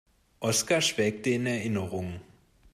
Oskar schwelgte in Erinnerungen.